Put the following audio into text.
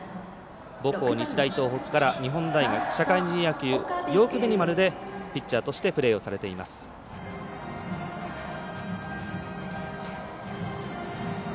母校、日大東北から日本大学、社会人野球でピッチャーとしてプレーをされています。